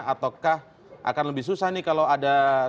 ataukah akan lebih susah nih kalau ada yang menang